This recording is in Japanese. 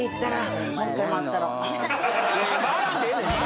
周らんでええねん！